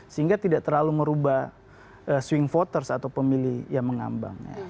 sehingga tidak terlalu merubah swing voters atau pemilih yang mengambang